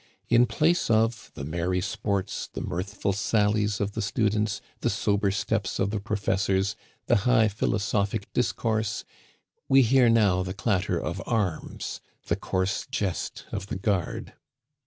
In place of the merry sports, the mirthful sallies of the students, the sober steps of the professors, the high philosophic discourse, we hear now the clatter of arms, the coarse jest of the guard.